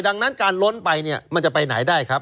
ดังนั้นการล้นไปเนี่ยมันจะไปไหนได้ครับ